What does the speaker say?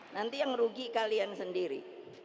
nanti yang rugi kalian sendiri